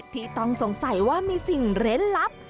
ที่ต้องสงสัยว่ามีสิ่งเร้นลับ